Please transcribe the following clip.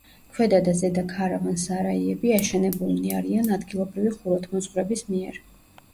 ქვედა და ზედა ქარავან-სარაიები, აშენებულნი არიან ადგილობრივი ხუროთმოძღვრების მიერ.